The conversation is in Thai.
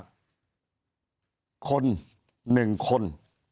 คน๑คน